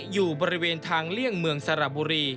อยู่บริเวณทางเลี่ยงเมืองสระบุรี